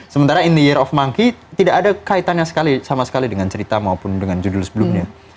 sementara in the year of monkey tidak ada kaitannya sama sekali dengan cerita maupun dengan judul sebelumnya